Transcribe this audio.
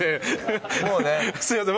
もうねすいません